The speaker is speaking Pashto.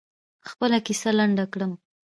خپله کیسه لنډه کړم.